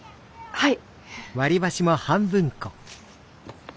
はい。